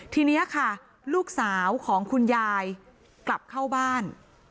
ทีนี้ค่ะลูกสาวของคุณยายกลับเข้าบ้าน